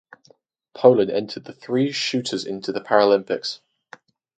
Poland entered three shooters into the Paralympics.